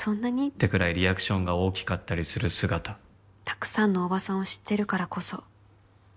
「ってくらいリアクションが大きかったりする姿」「たくさんの大庭さんを知ってるからこそ」